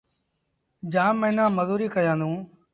جآم موهيݩآن مزوريٚ ڪيآندو۔